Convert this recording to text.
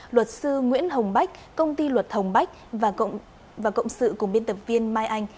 luật sư nguyễn hồng bách công ty luật hồng bách và cộng sự cùng biên tập viên mai anh